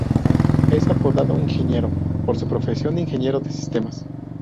Es apodado "Ingeniero", por su profesión de Ingeniero de Sistemas.